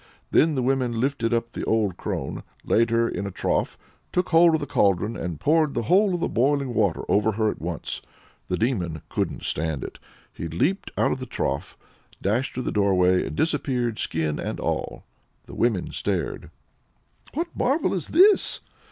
Then the women lifted up the old crone, laid her in a trough, took hold of the cauldron, and poured the whole of the boiling water over her at once. The demon couldn't stand it. He leaped out of the trough, dashed through the doorway, and disappeared, skin and all. The women stared: "What marvel is this?"